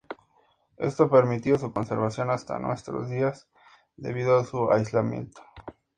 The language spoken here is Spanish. Esto ha permitido su conservación hasta nuestros días debido a su aislamiento.